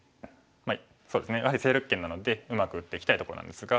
まあそうですねやはり勢力圏なのでうまく打っていきたいところなんですが。